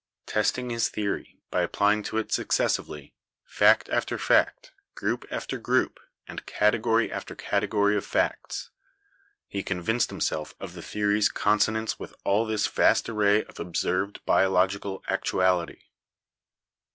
Testing his theory by applying to it successively fact after fact, group after group, and category after category of facts, he convinced himself of the theory's consonance with all this vast array of observed biological actuality.